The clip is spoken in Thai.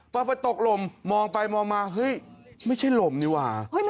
พอไปตกลมมองไปมองมาเฮ้ยไม่ใช่ลมนี่หว่า